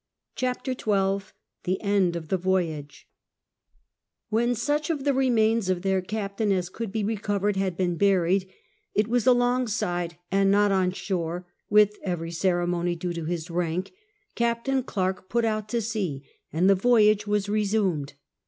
CHAPTEE XTI THE END OF THE VOYAGE When such of the remains of their captain as could be recovered had been buried — it was alongside and not on shore, with " every ceremony due to his rank "— Captain Clerke put out to sea and the voyage was resumed.